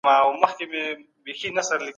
د يتيم حق خوړل لويه تېروتنه ده.